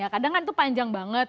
kadang kan itu panjang banget